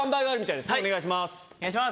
お願いします。